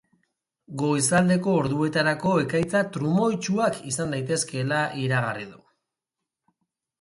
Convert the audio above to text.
Goizaldeko orduetarako ekaitza trumoitsuak izan daitezkela iragarri du.